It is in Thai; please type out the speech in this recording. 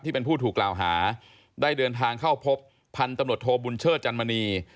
เป็นผู้ถูกกล่าวหาได้เดินทางเข้าพบพันธุ์ตำรวจโทบุญเชิดจันมณี